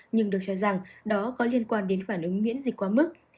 nhưng được cho rằng đó có liên quan đến phản ứng miễn dịch quá mức